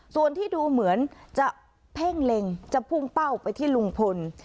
ส่วนที่ดูเหมือนจะเพ่งเล็งจะพุ่งเป้าไปที่ลุงพล